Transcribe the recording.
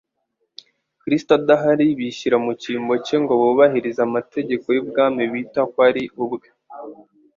Kristo adahari, bishyira mu cyimbo cye ngo bubahirize amategeko y'ubwami bita ko ari ubwe.